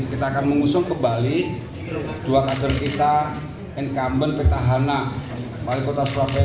kita akan mengusung kembali dua kader kita incumbent petahana wali kota surabaya